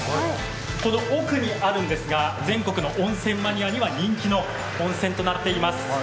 この奥にあるんですが、全国の温泉マニアには人気となっています。